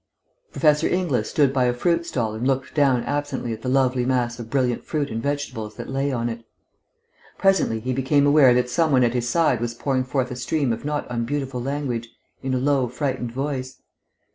Professor Inglis stood by a fruit stall and looked down absently at the lovely mass of brilliant fruit and vegetables that lay on it. Presently he became aware that some one at his side was pouring forth a stream of not unbeautiful language in a low, frightened voice.